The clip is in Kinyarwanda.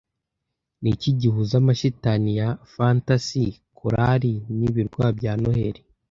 Niki gihuza amashitani ya Fantasy Korali nibirwa bya Noheri